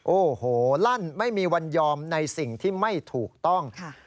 โอ้โหลั่นไม่มีวันยอมในสิ่งที่ไม่ถูกต้อง